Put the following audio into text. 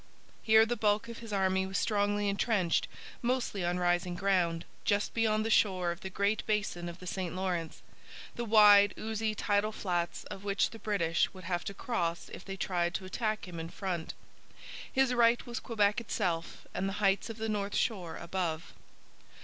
Here the bulk of his army was strongly entrenched, mostly on rising ground, just beyond the shore of the great basin of the St Lawrence, the wide oozy tidal flats of which the British would have to cross if they tried to attack him in front. His right was Quebec itself and the heights of the north shore above.